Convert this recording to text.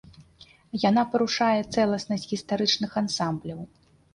Яна парушае цэласнасць гістарычных ансамбляў.